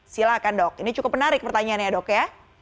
silahkan dok ini cukup menarik pertanyaannya dok ya